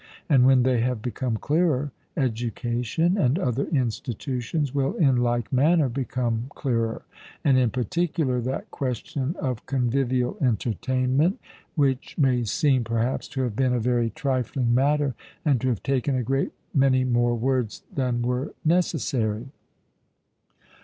And when they have become clearer, education and other institutions will in like manner become clearer; and in particular that question of convivial entertainment, which may seem, perhaps, to have been a very trifling matter, and to have taken a great many more words than were necessary.